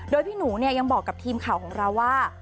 โดยพี่หนูยังบอกกับทีมข่าวของเราว่า